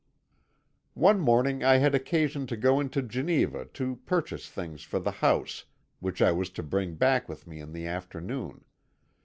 "One morning I had occasion to go into Geneva to purchase things for the house, which I was to bring back with me in the afternoon.